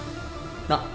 なっ？